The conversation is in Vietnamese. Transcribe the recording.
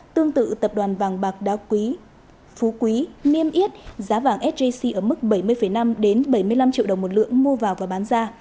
tương tự tập đoàn vàng bạc đá quý phú quý niêm yết giá vàng sjc ở mức bảy mươi năm bảy mươi năm triệu đồng một lượng mua vào và bán ra